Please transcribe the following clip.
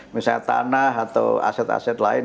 misalnya tanah atau aset aset lain